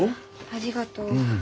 ありがとう。